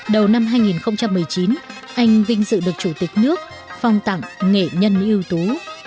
đầu năm hai nghìn một mươi chín anh vinh dự được chủ tịch nước phong tặng nghệ nhân ưu tú